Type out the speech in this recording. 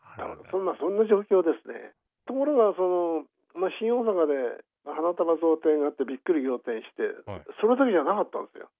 ところが新大阪で花束贈呈があってびっくり仰天してそれだけじゃなかったんですよ。